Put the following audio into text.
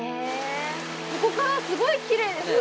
ここからすごいきれいです。